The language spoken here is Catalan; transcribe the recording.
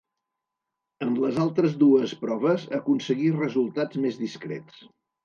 En les altres dues proves aconseguí resultats més discrets.